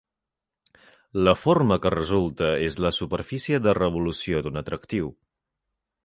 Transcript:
La forma que resulta és la superfície de revolució d'una tractriu.